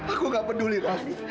aku gak peduli haris